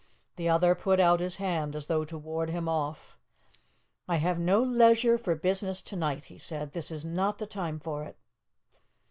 The other put out his hand, as though to ward him off. "I have no leisure for business to night," he said. "This is not the time for it."